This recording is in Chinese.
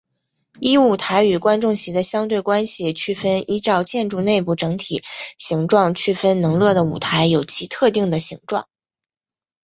依舞台与观众席的相对关系区分依照建筑内部整体形状区分能乐的舞台有其特定的形状。